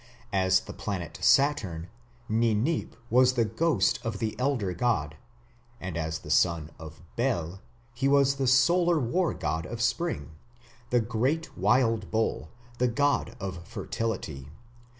As the planet Saturn, Ninip was the ghost of the elder god, and as the son of Bel he was the solar war god of spring, the great wild bull, the god of fertility.